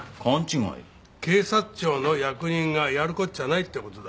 警察庁の役人がやるこっちゃないって事だ。